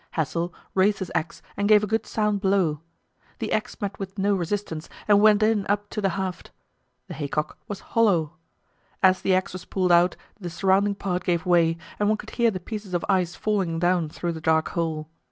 Hassel raised his axe and gave a good sound blow; the axe met with no resistance, and went in up to the haft. The haycock was hollow. As the axe was pulled out the surrounding part gave way, and one could hear the pieces of ice falling down through the dark hole.